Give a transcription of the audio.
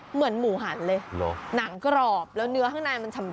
เหมือนหมูหันเลยหนังกรอบแล้วเนื้อข้างในมันชำ